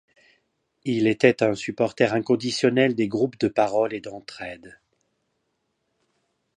Il était un supporter inconditionnel des groupes de parole et d’entraide.